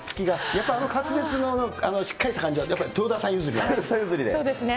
やっぱりあの滑舌のしっかりした感じはやっぱ、そうですね。